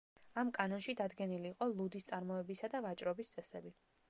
ამ კანონში დადგენილი იყო ლუდის წარმოებისა და ვაჭრობის წესები.